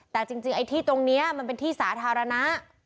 แต่จริงไอ้ที่ตรงนี้มันเป็นที่สาธารณะ